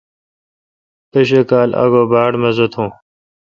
پشکال اگو باڑ مزہ تھون۔